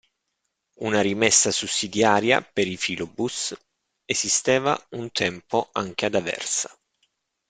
Una rimessa sussidiaria per i filobus esisteva un tempo anche ad Aversa.